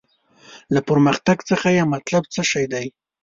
له پرمختګ څخه یې مطلب څه دی.